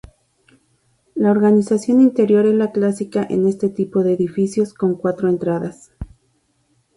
La organización interior es la clásica en este tipo de edificios, con cuatro entradas.